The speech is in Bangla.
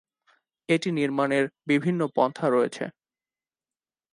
এটি নির্মাণের বিভিন্ন পন্থা রয়েছে।